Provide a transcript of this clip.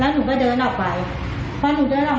แล้วก็ถามว่าพี่บังมาทำอย่างนี้ก็สนใจยังไง